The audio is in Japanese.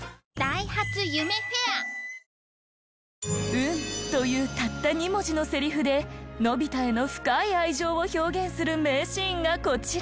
「うん」というたった２文字のセリフでのび太への深い愛情を表現する名シーンがこちら。